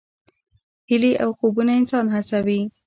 هیلې او خوبونه انسان هڅوي.